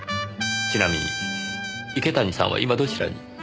ちなみに池谷さんは今どちらに？